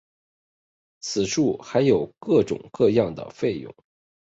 此外还有各种各样的费用。